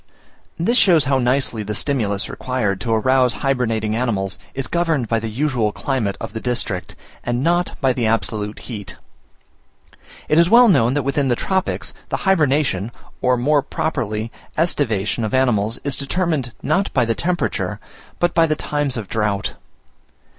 This shows how nicely the stimulus required to arouse hybernating animals is governed by the usual climate of the district, and not by the absolute heat. It is well known that within the tropics, the hybernation, or more properly aestivation, of animals is determined not by the temperature, but by the times of drought.